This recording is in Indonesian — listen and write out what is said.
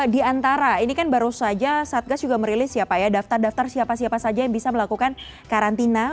di antara ini kan baru saja satgas juga merilis ya pak ya daftar daftar siapa siapa saja yang bisa melakukan karantina